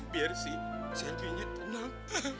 biar si selby nya tenang